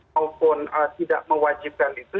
walaupun tidak mewajibkan itu